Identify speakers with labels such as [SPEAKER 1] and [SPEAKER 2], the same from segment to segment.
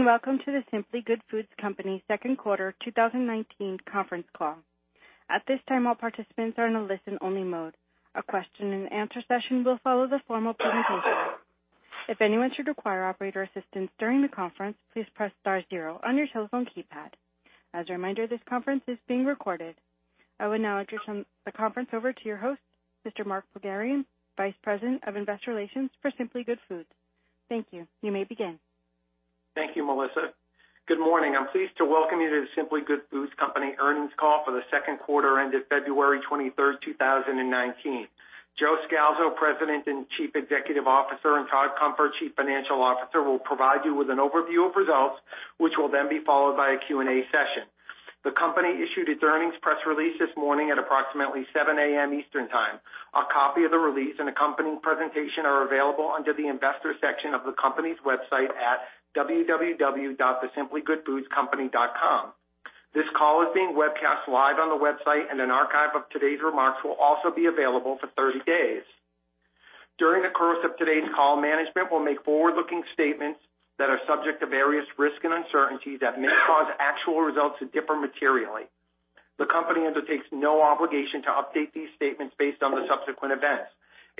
[SPEAKER 1] Greetings, and welcome to The Simply Good Foods Company Second Quarter 2019 Conference Call. At this time, all participants are in a listen-only mode. A question and answer session will follow the formal presentation. If anyone should require operator assistance during the conference, please press star zero on your telephone keypad. As a reminder, this conference is being recorded. I will now turn the conference over to your host, Mr. Mark Pogharian, Vice President of Investor Relations for The Simply Good Foods Company. Thank you. You may begin.
[SPEAKER 2] Thank you, Melissa. Good morning. I am pleased to welcome you to The Simply Good Foods Company earnings call for the second quarter ended February 23, 2019. Joe Scalzo, President and Chief Executive Officer, and Todd Cunfer, Chief Financial Officer, will provide you with an overview of results, which will then be followed by a Q&A session. The company issued its earnings press release this morning at approximately 7:00 A.M. Eastern Time. A copy of the release and accompanying presentation are available under the Investors section of the company's website at www.thesimplygoodfoodscompany.com. This call is being webcast live on the website, and an archive of today's remarks will also be available for 30 days. During the course of today's call, management will make forward-looking statements that are subject to various risks and uncertainties that may cause actual results to differ materially. The company undertakes no obligation to update these statements based on the subsequent events.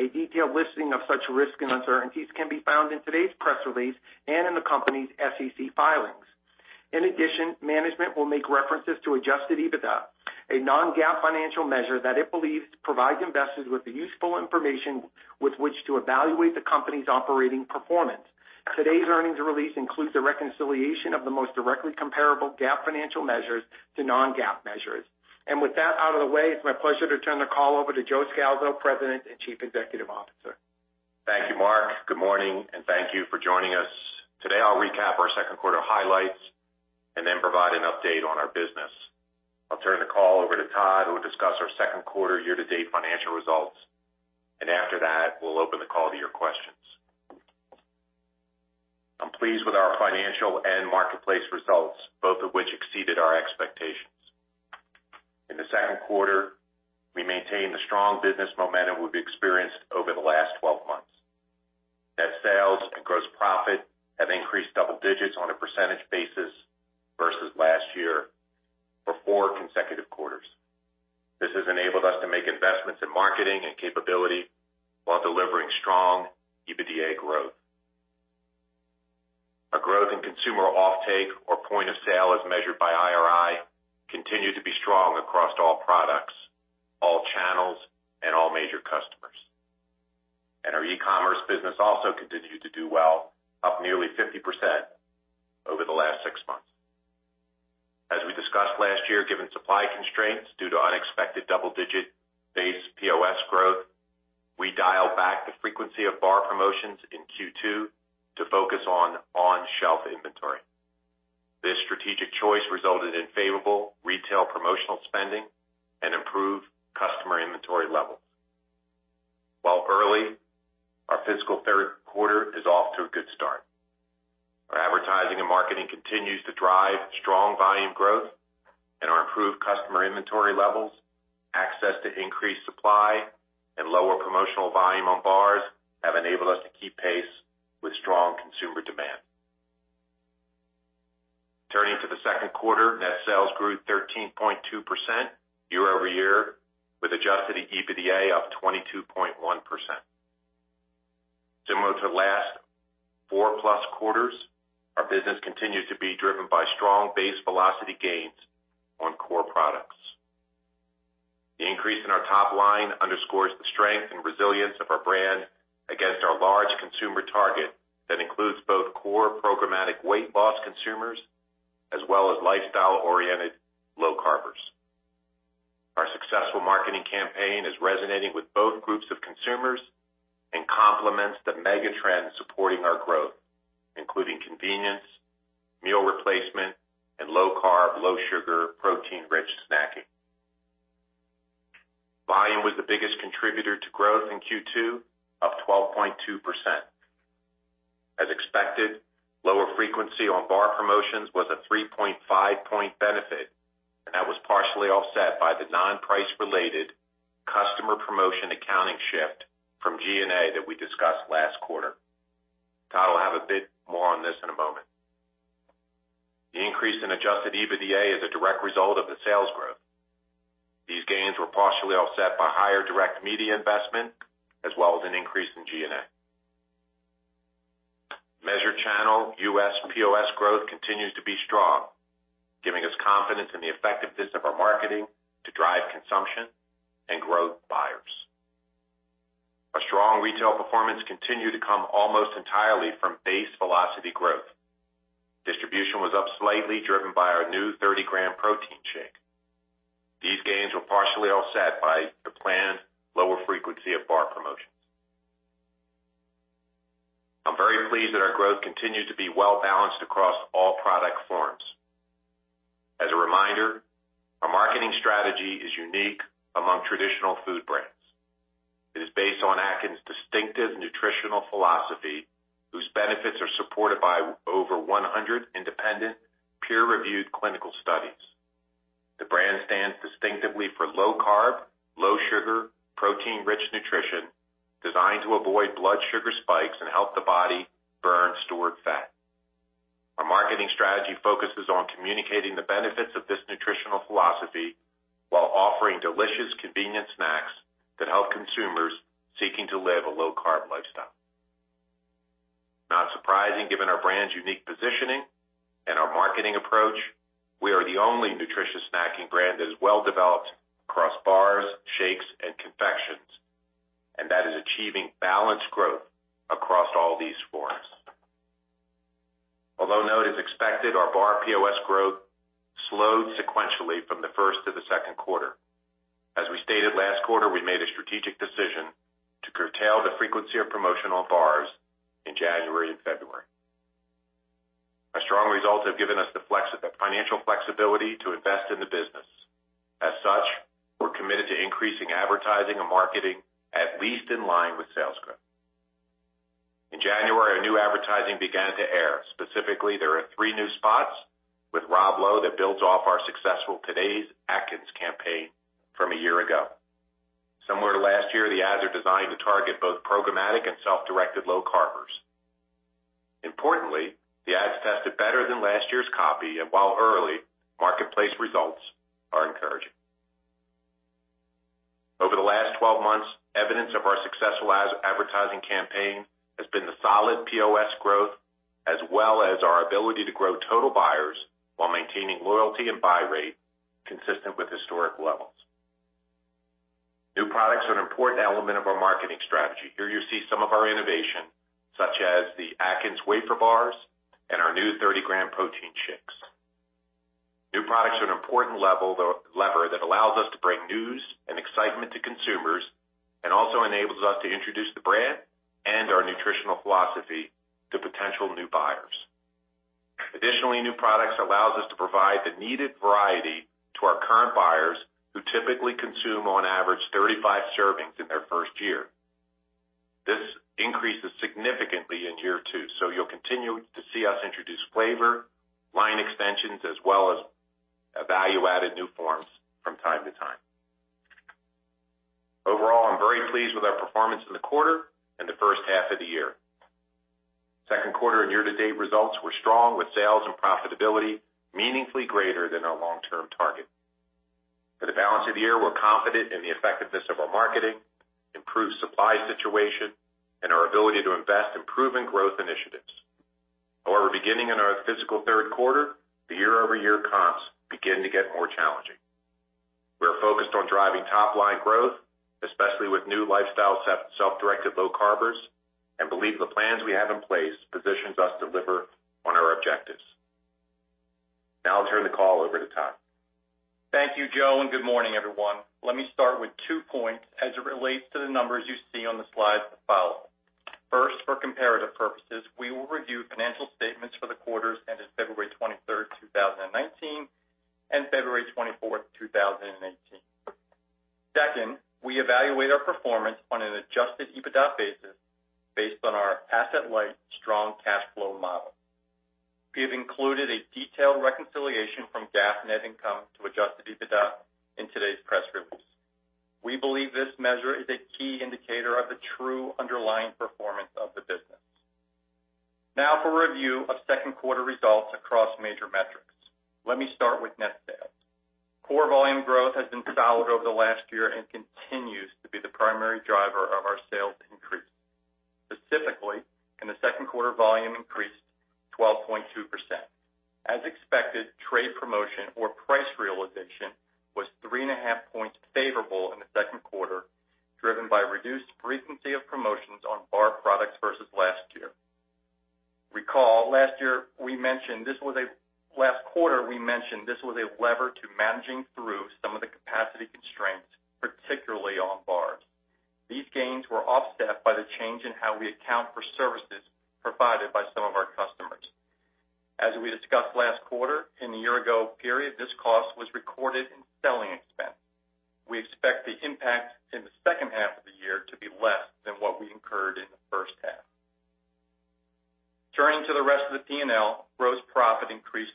[SPEAKER 2] A detailed listing of such risks and uncertainties can be found in today's press release and in the company's SEC filings. In addition, management will make references to adjusted EBITDA, a non-GAAP financial measure that it believes provides investors with the useful information with which to evaluate the company's operating performance. Today's earnings release includes a reconciliation of the most directly comparable GAAP financial measures to non-GAAP measures. With that out of the way, it's my pleasure to turn the call over to Joe Scalzo, President and Chief Executive Officer.
[SPEAKER 3] Thank you, Mark. Good morning, and thank you for joining us. Today, I will recap our second quarter highlights and then provide an update on our business. I will turn the call over to Todd, who will discuss our second quarter year-to-date financial results. After that, we will open the call to your questions. I am pleased with our financial and marketplace results, both of which exceeded our expectations. In the second quarter, we maintained the strong business momentum we've experienced over the last 12 months. Net sales and gross profit have increased double digits on a percentage basis versus last year for four consecutive quarters. This has enabled us to make investments in marketing and capability while delivering strong EBITDA growth. Our growth in consumer offtake or point of sale, as measured by IRI, continued to be strong across all products, all channels, and all major customers. Our e-commerce business also continued to do well, up nearly 50% over the last six months. As we discussed last year, given supply constraints due to unexpected double-digit base POS growth, we dialed back the frequency of bar promotions in Q2 to focus on on-shelf inventory. This strategic choice resulted in favorable retail promotional spending and improved customer inventory levels. While early, our fiscal third quarter is off to a good start. Our advertising and marketing continues to drive strong volume growth and our improved customer inventory levels, access to increased supply, and lower promotional volume on bars have enabled us to keep pace with strong consumer demand. Turning to the second quarter, net sales grew 13.2% year-over-year, with adjusted EBITDA up 22.1%. Similar to the last four-plus quarters, our business continued to be driven by strong base velocity gains on core products. The increase in our top line underscores the strength and resilience of our brand against our large consumer target that includes both core programmatic weight loss consumers as well as lifestyle-oriented low carbers. Our successful marketing campaign is resonating with both groups of consumers and complements the mega trends supporting our growth, including convenience, meal replacement, and low-carb, low-sugar, protein-rich snacking. Volume was the biggest contributor to growth in Q2, up 12.2%. As expected, lower frequency on bar promotions was a 3.5 point benefit, that was partially offset by the non-price related customer promotion accounting shift from G&A that we discussed last quarter. Todd will have a bit more on this in a moment. The increase in adjusted EBITDA is a direct result of the sales growth. These gains were partially offset by higher direct media investment as well as an increase in G&A. Measured channel U.S. POS growth continues to be strong, giving us confidence in the effectiveness of our marketing to drive consumption and growth buyers. Our strong retail performance continued to come almost entirely from base velocity growth. Distribution was up slightly, driven by our new 30-gram protein shake. These gains were partially offset by the planned lower frequency of bar promotions. I'm very pleased that our growth continues to be well-balanced across all product forms. As a reminder, our marketing strategy is unique among traditional food brands. It is based on Atkins' distinctive nutritional philosophy, whose benefits are supported by over 100 independent peer-reviewed clinical studies. Low carb, low sugar, protein-rich nutrition designed to avoid blood sugar spikes and help the body burn stored fat. Our marketing strategy focuses on communicating the benefits of this nutritional philosophy while offering delicious, convenient snacks that help consumers seeking to live a low carb lifestyle. Not surprising, given our brand's unique positioning and our marketing approach, we are the only nutritious snacking brand that is well-developed across bars, shakes, and confections, and that is achieving balanced growth across all these forms. Although note as expected, our bar POS growth slowed sequentially from the first to the second quarter. As we stated last quarter, we made a strategic decision to curtail the frequency of promotional bars in January and February. Our strong results have given us the financial flexibility to invest in the business. As such, we're committed to increasing advertising and marketing, at least in line with sales growth. In January, our new advertising began to air. Specifically, there are three new spots with Rob Lowe that builds off our successful Today's Atkins campaign from a year ago. Similar to last year, the ads are designed to target both programmatic and self-directed low carbers. Importantly, the ads tested better than last year's copy, and while early, marketplace results are encouraging. Over the last 12 months, evidence of our successful advertising campaign has been the solid POS growth, as well as our ability to grow total buyers while maintaining loyalty and buy rate consistent with historic levels. New products are an important element of our marketing strategy. Here you see some of our innovation, such as the Atkins wafer bars and our new 30-gram protein shakes. New products are an important lever that allows us to bring news and excitement to consumers and also enables us to introduce the brand and our nutritional philosophy to potential new buyers. Additionally, new products allows us to provide the needed variety to our current buyers, who typically consume, on average, 35 servings in their first year. This increases significantly in year two, so you'll continue to see us introduce flavor, line extensions, as well as value-added new forms from time to time. Overall, I'm very pleased with our performance in the quarter and the first half of the year. Second quarter and year-to-date results were strong, with sales and profitability meaningfully greater than our long-term target. For the balance of the year, we're confident in the effectiveness of our marketing, improved supply situation, and our ability to invest in proven growth initiatives. However, beginning in our fiscal third quarter, the year-over-year comps begin to get more challenging. We're focused on driving top-line growth, especially with new lifestyle self-directed low carbers, and believe the plans we have in place positions us to deliver on our objectives. Now I'll turn the call over to Todd.
[SPEAKER 4] Thank you, Joe, and good morning, everyone. Let me start with two points as it relates to the numbers you see on the slides that follow. First, for comparative purposes, we will review financial statements for the quarters ending February 23, 2019, and February 24, 2018. Second, we evaluate our performance on an adjusted EBITDA basis based on our asset-light strong cash flow model. We have included a detailed reconciliation from GAAP net income to adjusted EBITDA in today's press release. We believe this measure is a key indicator of the true underlying performance of the business. Now for review of second quarter results across major metrics. Let me start with net sales. Core volume growth has been solid over the last year and continues to be the primary driver of our sales increase. Specifically, in the second quarter, volume increased 12.2%. As expected, trade promotion or price realization was 3.5 points favorable in the second quarter, driven by reduced frequency of promotions on bar products versus last year. Recall, last quarter we mentioned this was a lever to managing through some of the capacity constraints, particularly on bars. These gains were offset by the change in how we account for services provided by some of our customers. As we discussed last quarter, in the year-ago period, this cost was recorded in selling expense. We expect the impact in the second half of the year to be less than what we incurred in the first half. Turning to the rest of the P&L, gross profit increased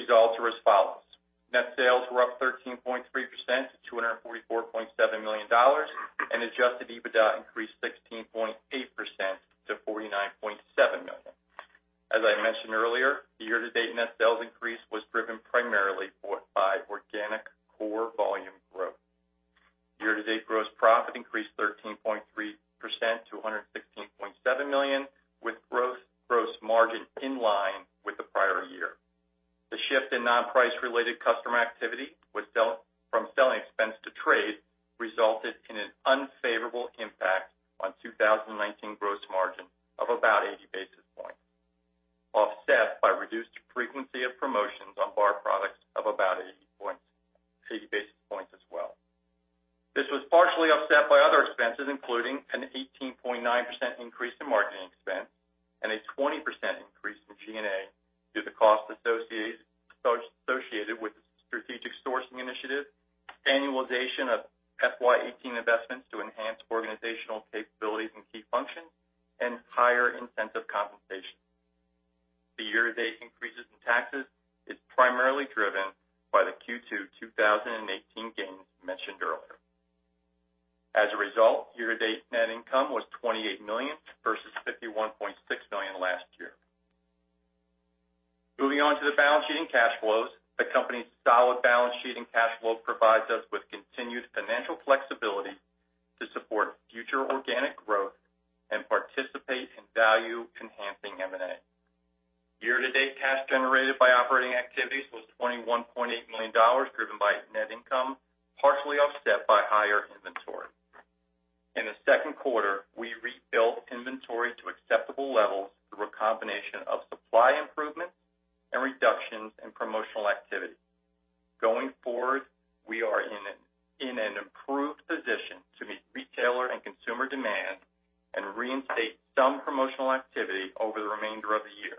[SPEAKER 4] benefit of $26.8 million in the prior year. Recall, in the second quarter of 2019 results, we recorded a $29 million one-time gain related to the remeasurement of deferred tax liability, as well as the $4.7 million gain on the fair value of the tax receivable agreement. Our effective tax rate in Q2 2019 was about 24% versus 15% in FY18, excluding the aforementioned gain in the year-ago period. We anticipate that the full-year tax rate will be in the 24%-25% range. As a result, reported net income in the second quarter was $12.7 million versus $41.4 million last year. Year-to-date results are as follows. Net sales were up 13.3% to $244.7 million, and adjusted EBITDA increased 16.8% to $49.7 million. As I mentioned earlier, the year-to-date net sales increase was driven primarily by organic core volume growth. Year-to-date gross profit increased 13.3% to $116.7 million, with gross margin in line with the prior year. The shift in non-price related customer activity from selling expense to trade resulted in an unfavorable impact on 2019 gross margin of about 80 basis points, offset by reduced frequency of promotions on bar products of about 80 basis points as well. This was partially offset by other expenses, including an 18.9% increase in marketing expense and a 20% increase in G&A due to costs associated with strategic sourcing initiatives, annualization of FY18 investments to enhance organizational capabilities and key functions, and higher incentive compensation. The year-to-date increases in taxes is primarily driven by the Q2 2018 gains mentioned earlier. As a result, year-to-date net income was $28 million versus $51.6 million last year. Moving on to the balance sheet and cash flows. The company's solid balance sheet and cash flow provides us with continued financial flexibility to support future organic growth and participate in value-enhancing M&A. Year-to-date cash generated by operating activities was $21.8 million, driven by net income, partially offset by higher inventory. In the second quarter, we rebuilt inventory to acceptable levels through a combination of supply improvements and reductions in promotional activity. Going forward, we are in an improved position to meet retailer and consumer demand and reinstate some promotional activity over the remainder of the year.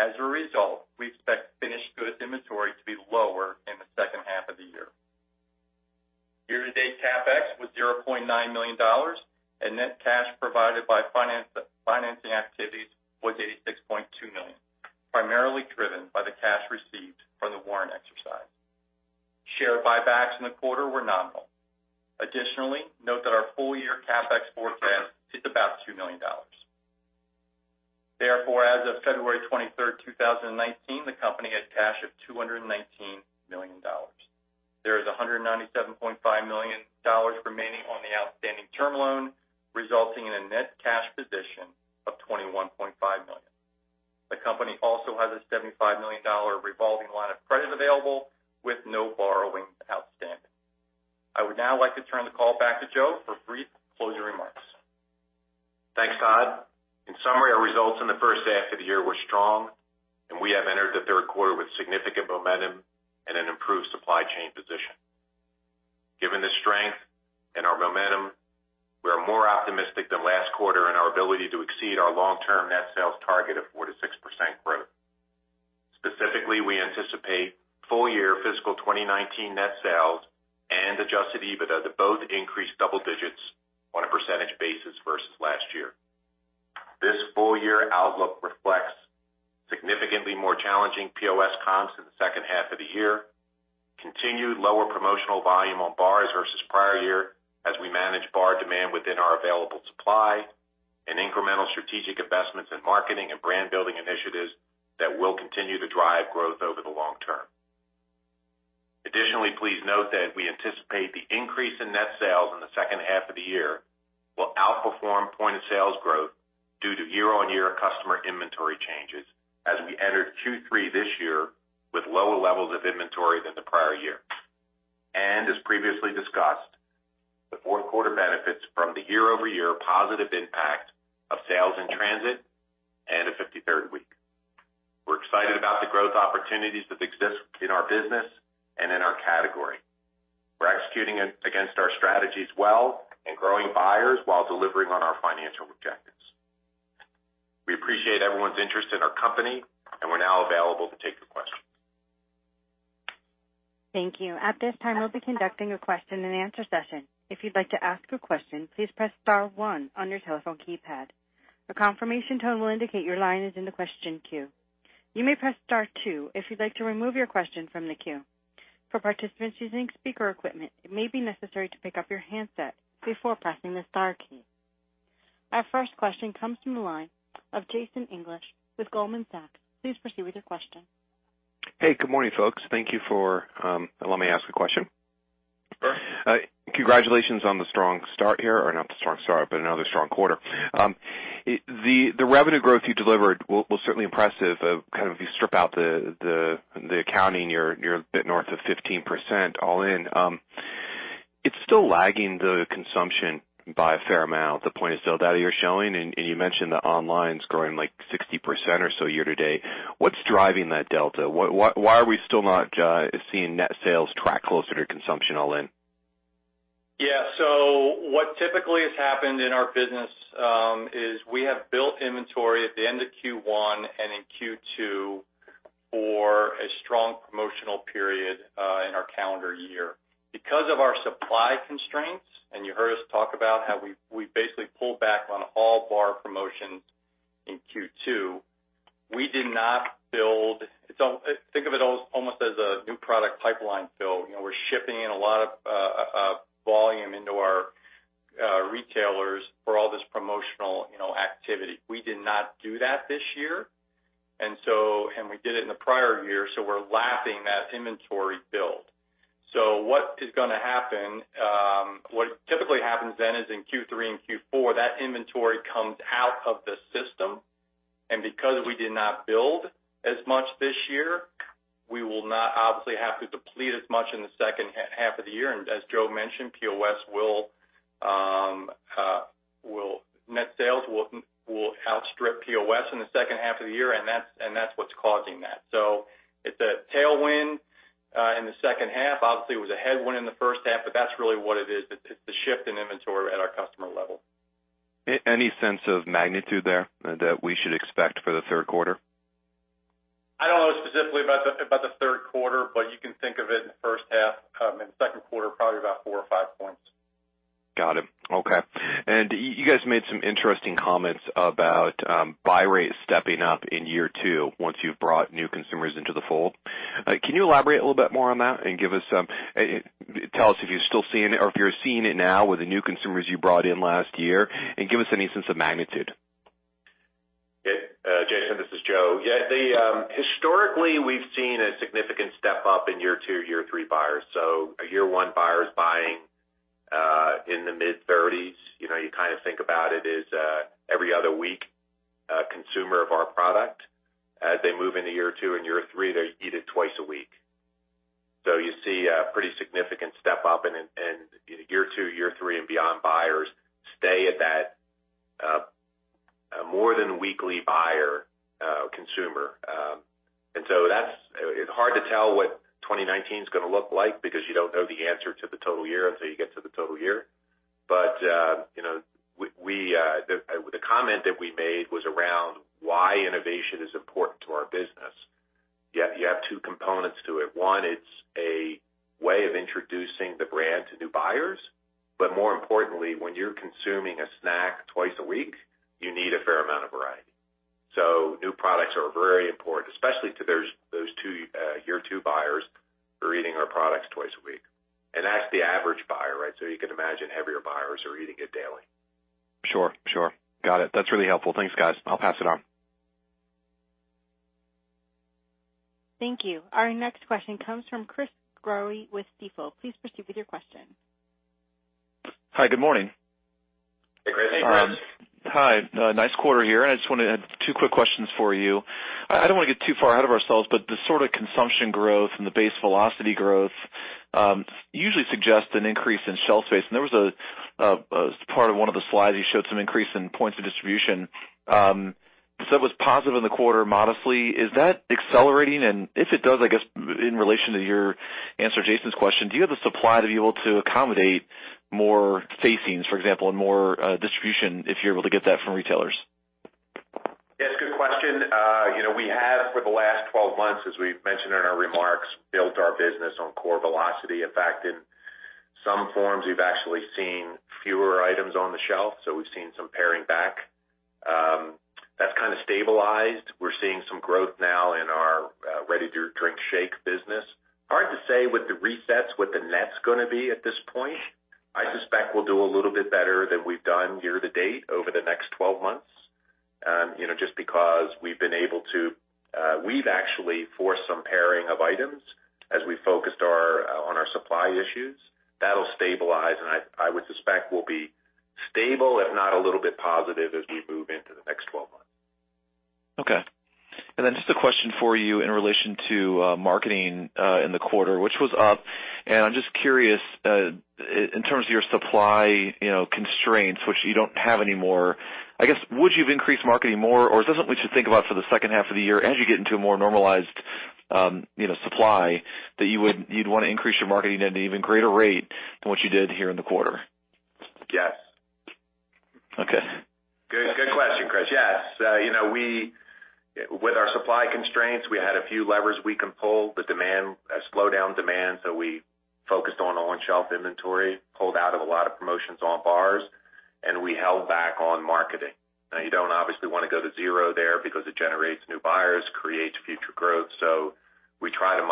[SPEAKER 4] As a result, we expect finished goods inventory to be lower in the second half of the year. Year-to-date CapEx was $0.9 million, and net cash provided by financing activities was $86.2 million, primarily driven by the cash received from the warrant exercise. Share buybacks in the quarter were nominal. Additionally, note that our full-year CapEx forecast is about $2 million. As of February 23rd, 2019, the company had cash of $219 million. There is $197.5 million remaining on the outstanding term loan, resulting in a net cash position of $21.5 million. The company also has a $75 million revolving line of credit available with no borrowing outstanding. I would now like to turn the call back to Joe for brief closing remarks.
[SPEAKER 3] Thanks, Todd. In summary, our results in the first half of the year were strong, and we have entered the third quarter with significant momentum and an improved supply chain position. Given the strength and our momentum, we are more optimistic than last quarter in our ability to exceed our long-term net sales target of 4%-6% growth. Specifically, we anticipate full-year fiscal 2019 net sales and adjusted EBITDA to both increase double digits on a percentage basis versus last year. This full-year outlook reflects significantly more challenging POS comps in the second half of the year, continued lower promotional volume on bars versus prior year as we manage bar demand within our available supply, and incremental strategic investments in marketing and brand-building initiatives that will continue to drive growth over the long term. Please note that we anticipate the increase in net sales in the second half of the year will outperform point-of-sales growth due to year-on-year customer inventory changes as we entered Q3 this year with lower levels of inventory than the prior year. As previously discussed, the fourth quarter benefits from the year-over-year positive impact of sales in transit and a 53rd week. We're excited about the growth opportunities that exist in our business and in our category. We're executing against our strategies well and growing buyers while delivering on our financial objectives. We appreciate everyone's interest in our company, and we're now available to take your questions.
[SPEAKER 1] Thank you. At this time, we'll be conducting a question and answer session. If you'd like to ask a question, please press star one on your telephone keypad. A confirmation tone will indicate your line is in the question queue. You may press star two if you'd like to remove your question from the queue. For participants using speaker equipment, it may be necessary to pick up your handset before pressing the star key. Our first question comes from the line of Jason English with Goldman Sachs. Please proceed with your question.
[SPEAKER 5] Hey, good morning, folks. Thank you for allowing me to ask a question.
[SPEAKER 3] Sure.
[SPEAKER 5] Congratulations on the strong start here, or not the strong start, but another strong quarter. The revenue growth you delivered was certainly impressive. If you strip out the accounting, you're a bit north of 15% all in. It's still lagging the consumption by a fair amount, the point of sale data you're showing. You mentioned the online's growing 60% or so year to date. What's driving that delta? Why are we still not seeing net sales track closer to consumption all in?
[SPEAKER 4] Yeah. What typically has happened in our business, is we have built inventory at the end of Q1 and in Q2 for a strong promotional period, in our calendar year. Because of our supply constraints, and you heard us talk about how we basically pulled back on all bar promotions in Q2. We did not build Think of it almost as a new product pipeline build. We're shipping in a lot of volume into our retailers for all this promotional activity. We did not do that this year, and we did it in the prior year, so we're lapping that inventory build. What is gonna happen, what typically happens then is in Q3 and Q4, that inventory comes out of the system, and because we did not build as much this year, we will not obviously have to deplete as much in the second half of the year. As Joe mentioned, net sales will outstrip POS in the second half of the year, and that's what's causing that. It's a tailwind, in the second half. Obviously, it was a headwind in the first half, but that's really what it is. It's a shift in inventory at our customer level.
[SPEAKER 5] Any sense of magnitude there that we should expect for the third quarter?
[SPEAKER 4] I don't know specifically about the third quarter, but you can think of it in the first half, in the second quarter, probably about four or five points.
[SPEAKER 5] Got it. Okay. You guys made some interesting comments about buy rates stepping up in year two once you've brought new consumers into the fold. Can you elaborate a little bit more on that and tell us if you're seeing it now with the new consumers you brought in last year, and give us any sense of magnitude?
[SPEAKER 3] Jason, this is Joe. Historically, we've seen a significant step-up in year two, year three buyers. A year one buyer is buying, in the mid-30s. You kind of think about it as, every other week, consumer of our product. As they move into year two and year three, they eat it twice a week. You see a pretty significant step up in year two, year three and beyond buyers stay at that more than weekly buyer consumer. It's hard to tell what 2019's gonna look like because you don't know the answer to the total year until you get to the total year. The comment that we made was around why innovation is important to our business. You have two components to it. One, it's a way of introducing the brand to new buyers. More importantly, when you're consuming a snack twice a week, you need a fair amount of variety. New products are very important, especially to those year two buyers who are eating our products twice a week. That's the average buyer, you can imagine heavier buyers are eating it daily.
[SPEAKER 5] Sure. Got it. That's really helpful. Thanks, guys. I'll pass it on.
[SPEAKER 1] Thank you. Our next question comes from Chris Growe with Stifel. Please proceed with your question.
[SPEAKER 6] Hi, good morning.
[SPEAKER 3] Hey, Chris.
[SPEAKER 6] Hi. Nice quarter here. two quick questions for you. I don't want to get too far ahead of ourselves. The sort of consumption growth and the base velocity growth usually suggest an increase in shelf space. There was a part of one of the slides, you showed some increase in points of distribution. It was positive in the quarter modestly. Is that accelerating? If it does, I guess in relation to your answer to Jason's question, do you have the supply to be able to accommodate more facings, for example, and more distribution if you're able to get that from retailers?
[SPEAKER 3] Yeah, it's a good question. We have for the last 12 months, as we've mentioned in our remarks, built our business on core velocity. In fact, in some forms, we've actually seen fewer items on the shelf, so we've seen some paring back. That's kind of stabilized. We're seeing some growth now in our ready-to-drink shake business. Hard to say with the resets what the net's going to be at this point. I suspect we'll do a little bit better than we've done year-to-date over the next 12 months, just because we've actually forced some paring of items as we focused on our supply issues. That'll stabilize, and I would suspect we'll be stable, if not a little bit positive as we move into the next 12 months.
[SPEAKER 6] Okay. Just a question for you in relation to marketing in the quarter, which was up. I'm just curious, in terms of your supply constraints, which you don't have anymore, I guess would you have increased marketing more? Or is this something to think about for the second half of the year as you get into a more normalized supply that you'd want to increase your marketing at an even greater rate than what you did here in the quarter?
[SPEAKER 3] Yes.
[SPEAKER 6] Okay.
[SPEAKER 3] Good question, Chris. Yes. With our supply constraints, we had a few levers we can pull. The demand, a slowdown demand, we focused on shelf inventory, pulled out of a lot of promotions on bars, and we held back on marketing. Now you don't obviously want to go to zero there because it generates new buyers, creates future growth. We try to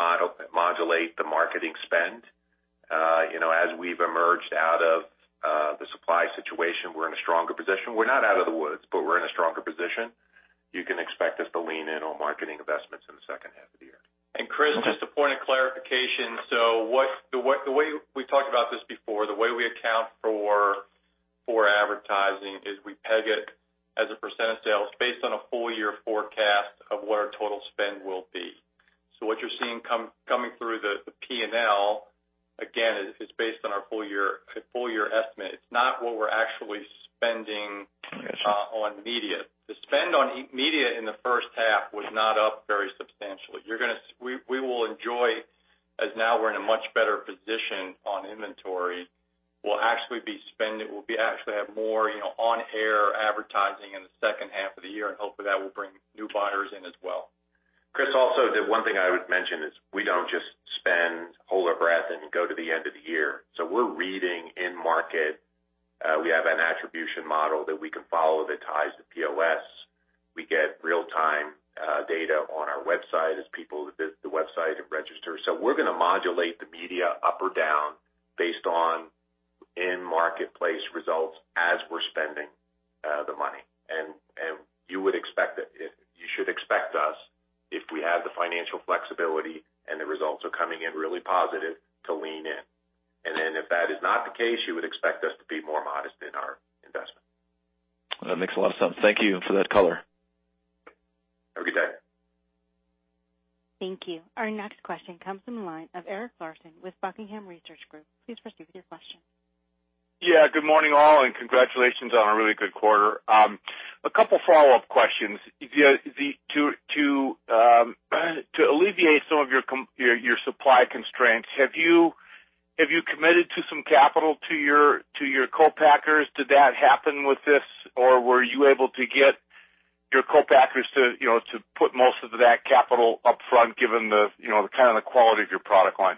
[SPEAKER 3] modulate the marketing spend. As we've emerged out of the supply situation, we're in a stronger position. We're not out of the woods, but we're in a stronger position. You can expect us to lean in on marketing investments in the second half of the year.
[SPEAKER 4] Chris, just a point of clarification. We talked about this before, the way we account for advertising is we peg it as a percent of sales based on a full-year forecast of what our total spend will be. What you're seeing coming through the P&L, again, is based on our full year estimate. It's not what we're actually spending.
[SPEAKER 6] I got you
[SPEAKER 4] on media. The spend on media in the first half was not up very substantially. We will enjoy, as now we're in a much better position on inventory, we'll actually have more on-air advertising in the second half of the year. Hopefully that will bring new buyers in as well.
[SPEAKER 3] Chris, also, the one thing I would mention is we don't just spend, hold our breath, and go to the end of the year. We're reading in market. We have an attribution model that we can follow that ties to POS. We get real-time data on our website as people visit the website and register. We're going to modulate the media up or down based on in-marketplace results as we're spending the money. You should expect us, if we have the financial flexibility and the results are coming in really positive, to lean in. If that is not the case, you would expect us to be more modest in our investment.
[SPEAKER 6] That makes a lot of sense. Thank you for that color.
[SPEAKER 3] Have a good day.
[SPEAKER 1] Thank you. Our next question comes from the line of Eric Larson with Buckingham Research Group. Please proceed with your question.
[SPEAKER 7] Good morning, all, congratulations on a really good quarter. A couple follow-up questions. To alleviate some of your supply constraints, have you committed some capital to your co-packers? Did that happen with this, or were you able to get your co-packers to put most of that capital up front, given the quality of your product line?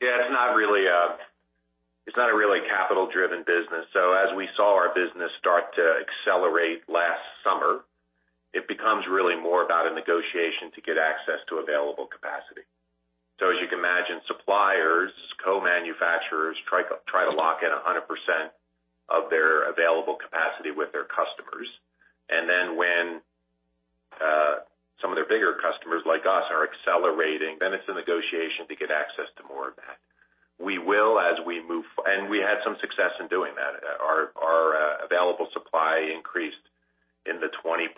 [SPEAKER 3] Yeah, it's not a really capital-driven business. As we saw our business start to accelerate last summer, it becomes really more about a negotiation to get access to available capacity. When some of their bigger customers, like us, are accelerating, then it's a negotiation to get access to more of that. We had some success in doing that. Our available supply increased in the 20%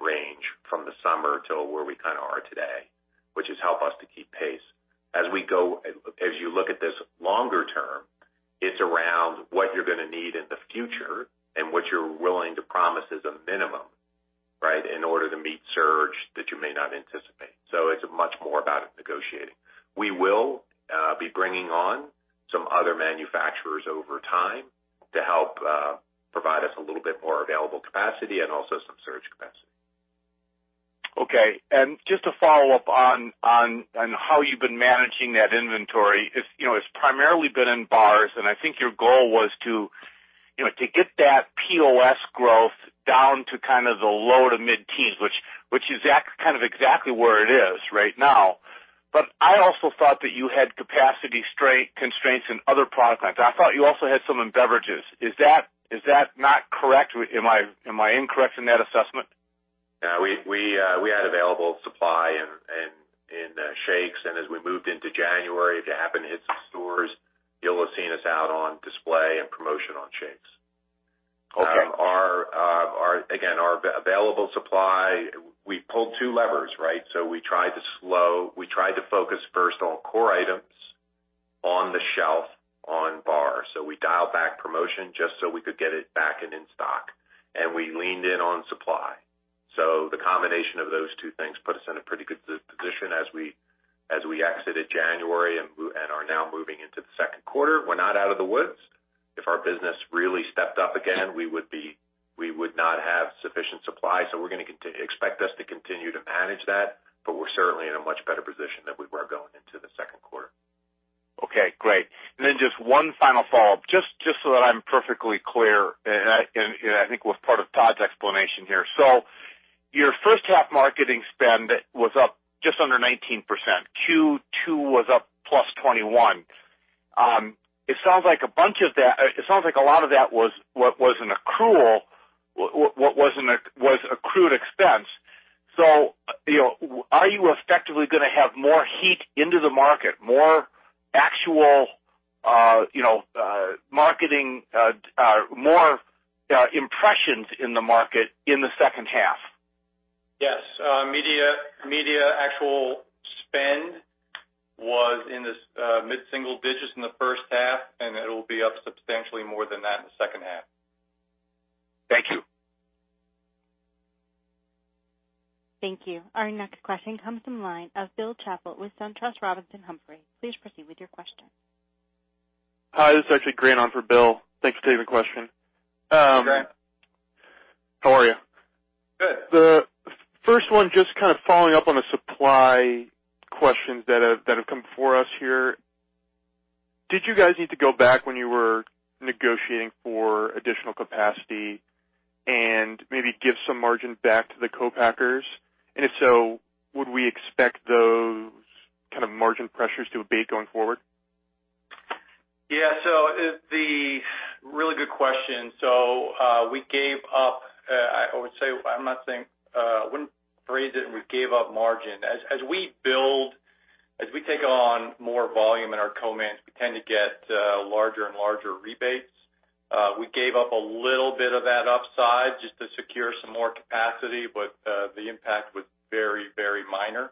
[SPEAKER 3] range from the summer till where we kind of are today, which has helped us to keep pace. As you look at this longer term, it's around what you're going to need in the future and what you're willing to promise as a minimum in order to meet surge that you may not anticipate. It's much more about negotiating. We will be bringing on some other manufacturers over time to help provide us a little bit more available capacity and also some surge capacity.
[SPEAKER 7] Okay. Just to follow up on how you've been managing that inventory. It's primarily been in bars, and I think your goal was to get that POS growth down to kind of the low to mid-teens, which is kind of exactly where it is right now. I also thought that you had capacity constraints in other product lines. I thought you also had some in beverages. Is that not correct? Am I incorrect in that assessment?
[SPEAKER 3] No, we had available supply in shakes. As we moved into January, if you happen to hit some stores, you'll have seen us out on display and promotion on shakes.
[SPEAKER 7] Okay.
[SPEAKER 3] Our available supply, we pulled two levers, right? We tried to focus first on core items on the shelf, on bar. We dialed back promotion just so we could get it back and in stock, and we leaned in on supply. The combination of those two things put us in a pretty good position as we exited January and are now moving into the second quarter. We're not out of the woods. If our business really stepped up again, we would not have sufficient supply. Expect us to continue to manage that, but we're certainly in a much better position than we were going into the second quarter.
[SPEAKER 7] Okay, great. Just one final follow-up, just so that I'm perfectly clear, and I think it was part of Todd's explanation here. Your first half marketing spend was up just under 19%. Q2 was up +21%. It sounds like a lot of that was an accrual, was accrued expense. Are you effectively going to have more heat into the market, more impressions in the market in the second half?
[SPEAKER 4] Yes. Media actual spend was in the mid-single digits in the first half, and it'll be up substantially more than that in the second half.
[SPEAKER 7] Thank you.
[SPEAKER 1] Thank you. Our next question comes from the line of Bill Chappell with SunTrust Robinson Humphrey. Please proceed with your question.
[SPEAKER 8] Hi, this is actually Grant on for Bill. Thanks for taking the question.
[SPEAKER 3] Hey, Grant.
[SPEAKER 8] How are you?
[SPEAKER 3] Good.
[SPEAKER 8] The first one, just kind of following up on the supply questions that have come before us here. Did you guys need to go back when you were negotiating for additional capacity and maybe give some margin back to the co-packers? If so, would we expect those kind of margin pressures to abate going forward?
[SPEAKER 4] Yeah. Really good question. We gave up, I wouldn't phrase it, we gave up margin. As we build, as we take on more volume in our co-mans, we tend to get larger and larger rebates. We gave up a little bit of that upside just to secure some more capacity, but the impact was very, very minor.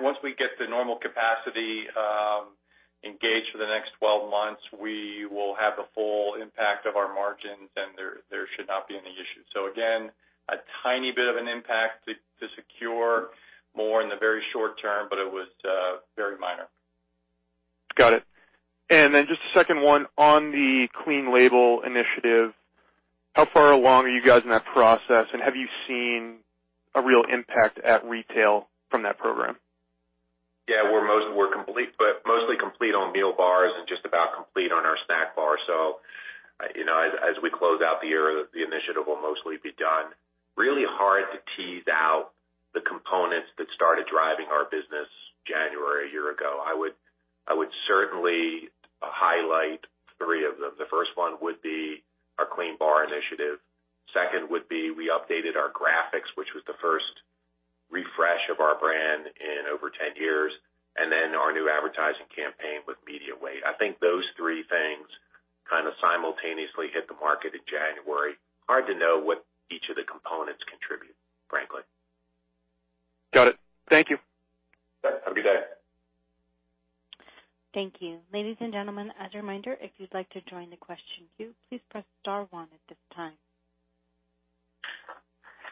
[SPEAKER 4] Once we get the normal capacity engaged for the next 12 months, we will have the full impact of our margins, and there should not be any issues. Again, a tiny bit of an impact to secure more in the very short term, but it was very minor.
[SPEAKER 8] Got it. Then just a second one on the Clean Label Initiative, how far along are you guys in that process, and have you seen a real impact at retail from that program?
[SPEAKER 3] Yeah, we're mostly complete on meal bars and just about complete on our snack bar. As we close out the year, the initiative will mostly be done. Really hard to tease out the components that started driving our business January a year ago. I would certainly highlight three of them. The first one would be our Clean Bar Initiative. Second would be we updated our graphics, which was the first refresh of our brand in over 10 years, and then our new advertising campaign with media weight. I think those three things kind of simultaneously hit the market in January. Hard to know what each of the components contribute, frankly.
[SPEAKER 8] Got it. Thank you.
[SPEAKER 3] Have a good day.
[SPEAKER 1] Thank you. Ladies and gentlemen, as a reminder, if you'd like to join the question queue, please press star one at this time.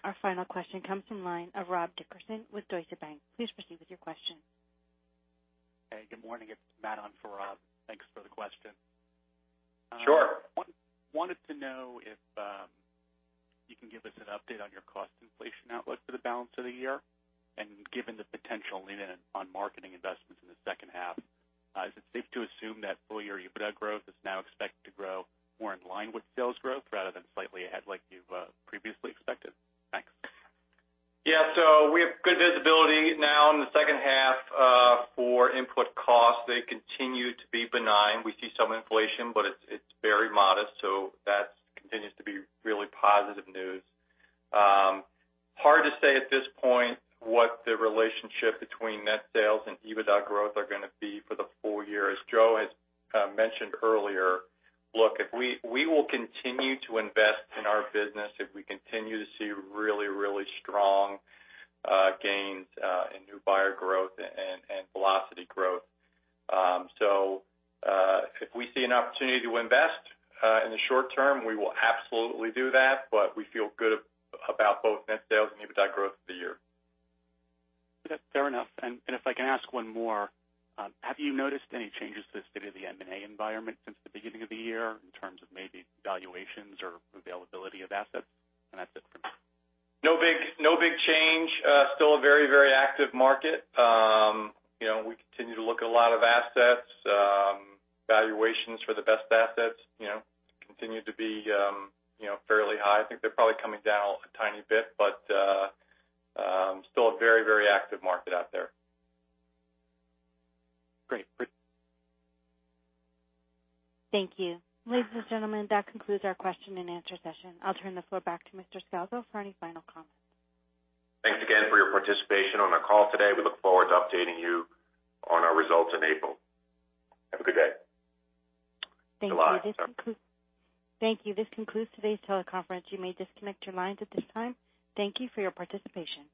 [SPEAKER 1] Our final question comes from the line of Rob Dickerson with Deutsche Bank. Please proceed with your question.
[SPEAKER 9] Hey, good morning. It's Matt on for Rob. Thanks for the question.
[SPEAKER 4] Sure.
[SPEAKER 9] Wanted to know if you can give us an update on your cost inflation outlook for the balance of the year, and given the potential lean in on marketing investments in the second half, is it safe to assume that full-year EBITDA growth is now expected to grow more in line with sales growth rather than slightly ahead like you've previously expected? Thanks.
[SPEAKER 4] Yeah, we have good visibility now in the second half for input costs. They continue to be benign. We see some inflation, but it's very modest, that continues to be really positive news. Hard to say at this point what the relationship between net sales and EBITDA growth are going to be for the full year. As Joe has mentioned earlier, look, we will continue to invest in our business if we continue to see really strong gains in new buyer growth and velocity growth. If we see an opportunity to invest in the short term, we will absolutely do that. We feel good about both net sales and EBITDA growth for the year.
[SPEAKER 9] Fair enough. If I can ask one more, have you noticed any changes to the state of the M&A environment since the beginning of the year in terms of maybe valuations or availability of assets? That's it for me.
[SPEAKER 4] No big change. Still a very active market. We continue to look at a lot of assets. Valuations for the best assets continue to be fairly high. I think they're probably coming down a tiny bit, still a very active market out there.
[SPEAKER 9] Great. Appreciate it.
[SPEAKER 1] Thank you. Ladies and gentlemen, that concludes our question and answer session. I'll turn the floor back to Mr. Scalzo for any final comments.
[SPEAKER 3] Thanks again for your participation on our call today. We look forward to updating you on our results in April. Have a good day.
[SPEAKER 1] Thank you.
[SPEAKER 3] Bye.
[SPEAKER 1] Thank you. This concludes today's teleconference. You may disconnect your lines at this time. Thank you for your participation.